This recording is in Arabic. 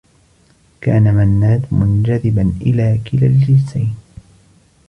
كان منّاد منجذبا إلى كلا الجنسين.